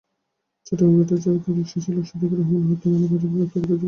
চট্টগ্রামে ব্যাটারিচালিত রিকশার চালক সিদ্দিকুর রহমান হত্যা মামলায় পাঁচজনকে গ্রেপ্তার করেছে পুলিশ।